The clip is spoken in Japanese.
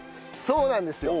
そうなんですよ。